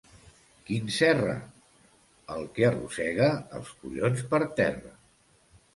Quin Serra? —El que arrossega els collons per terra.